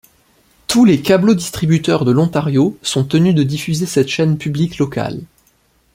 Tous les câblodistributeurs de l'Ontario sont tenus de diffuser cette chaîne publique locale.